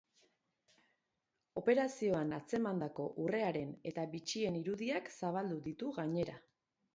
Operazioan atzemandako urreareneta bitxien irudiak zabaldu ditu gainera.